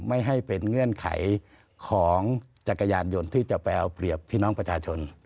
ไม่ให้เป็นเงื่อนไขของจักรยานยนต์ที่จะไปเอาเปรียบพี่น้องประชาชน